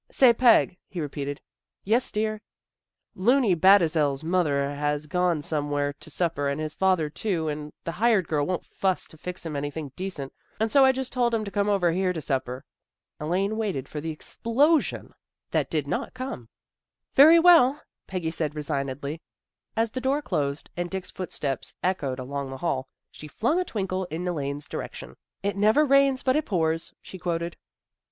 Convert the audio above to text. " Say, Peg," he repeated. "Yes, dear." " Looney Batezell's mother has gone some where to supper, and his father, too, and the hired girl won't fuss to fix him anything decent, and so I just told him to come over here to supper." Elaine waited for the explosion that did not 64 THE GIRLS OF FRIENDLY TERRACE come. " Very well," Peggy said resignedly. As the door closed and Dick's footsteps echoed along the hall, she flung a twinkle in Elaine's direction. " It never rains but it pours," she quoted.